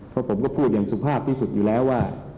เพราะผมก็พูดอย่างสุภาพที่สุดอยู่แล้วว่า